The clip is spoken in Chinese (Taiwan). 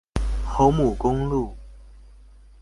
侯牡公路